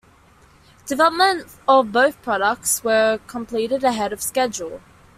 Development of both products were completed ahead of schedule.